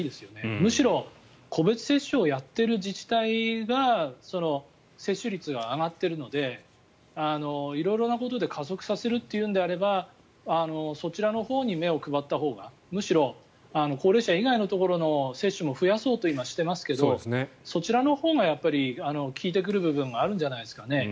むしろ個別接種をやっている自治体が接種率が上がってるので色々なことで加速させるというのであればそちらのほうに目を配ったほうがむしろ高齢者以外のところの接種も増やそうと今、していますがそちらのほうがやっぱり効いてくる部分があるんじゃないですかね。